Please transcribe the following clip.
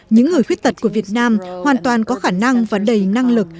những người khuyết tật của việt nam hoàn toàn có khả năng và đầy năng lực